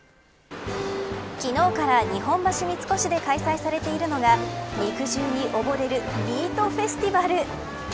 昨日から日本橋三越で開催されているのが肉汁に溺れるＭｅａｔＦｅｓｔｉｖａｌ。